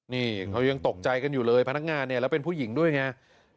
นี่เขายังตกใจกันอยู่เลยพนักงานเนี่ยแล้วเป็นผู้หญิงด้วยไง